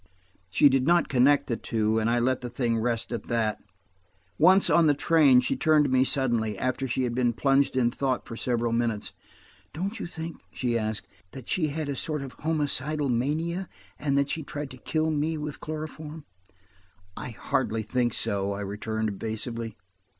She did not connect the two, and I let the thing rest at that. Once, on the train, she turned to me suddenly, after she had been plunged in thought for several minutes. "Don't you think," she asked, "that she had a sort homicidal mania, and that she tried to kill me with chloroform?" "I hardly think so," I returned evasively.